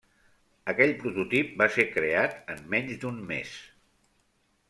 Aquell prototip va ser creat en menys d'un mes.